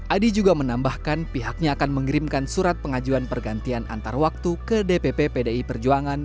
adi juga menambahkan pihaknya akan mengirimkan surat pengajuan pergantian antar waktu ke dpp pdi perjuangan